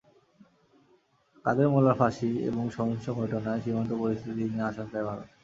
কাদের মোল্লার ফাঁসি এবং সহিংস ঘটনায় সীমান্ত পরিস্থিতি নিয়েও আশঙ্কায় ভারত।